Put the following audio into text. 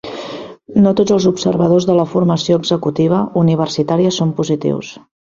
No tots els observadors de la formació executiva universitària són positius.